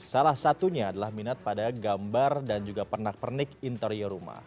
salah satunya adalah minat pada gambar dan juga pernak pernik interior rumah